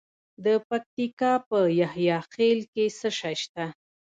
د پکتیکا په یحیی خیل کې څه شی شته؟